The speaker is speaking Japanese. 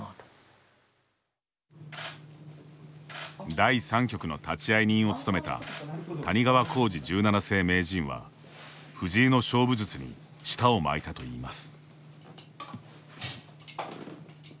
第３局の立会人を務めた谷川浩司十七世名人は藤井の勝負術に舌を巻いたといいます。